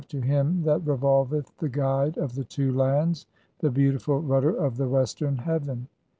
"To Him that revolveth, the guide of the two lands. To the beautiful Rudder of the eastern heaven."